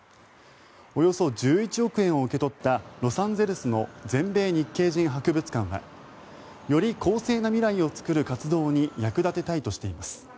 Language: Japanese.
およそ１１億円を受け取ったロサンゼルスの全米日系人博物館はより公正な未来を作る活動に役立てたいとしています。